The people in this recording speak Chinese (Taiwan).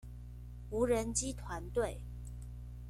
無人機團隊